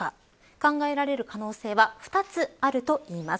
考えられる可能性は２つあるといいます。